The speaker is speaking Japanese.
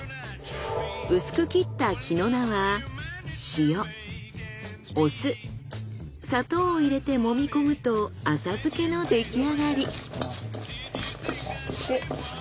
薄く切った日野菜は入れてもみ込むと浅漬けの出来上がり。